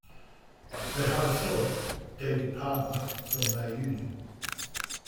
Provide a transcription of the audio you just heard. They have a son, David Palmer from their union.